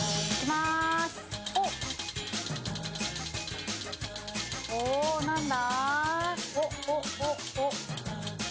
おお？何だ？